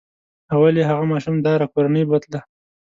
اول یې هغه ماشوم داره کورنۍ بوتله.